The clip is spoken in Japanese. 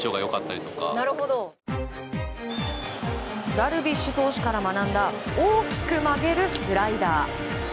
ダルビッシュ投手から学んだ大きく曲げるスライダー。